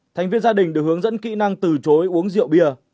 thành viên gia đình được hướng dẫn kỹ năng từ chối uống rượu bia